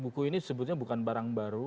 buku ini sebutnya bukan barang baru